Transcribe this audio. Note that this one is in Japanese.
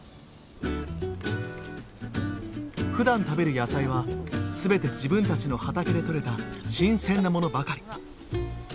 ふだん食べる野菜はすべて自分たちの畑でとれた新鮮なものばかり。